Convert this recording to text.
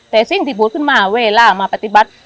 แต่สิ่งที่พูดขึ้นมาเวลามาปฏิบัติ